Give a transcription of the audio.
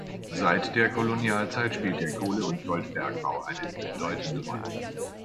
Seit der Kolonialzeit spielt der Kohle- und Goldbergbau eine bedeutende Rolle.